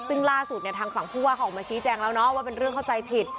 ซึ่งล่าสุดเนี่ยทางฝั่งผู้ว่าเขาออกมาชี้แจงแล้วเนาะว่าเป็นเรื่องเข้าใจผิด